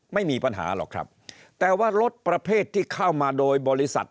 ไม่มีปัญหาหรอกครับแต่ว่ารถประเภทที่เข้ามาโดยบริษัท